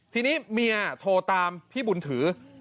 ทีนี้เมียโทรตามพี่บุญถือ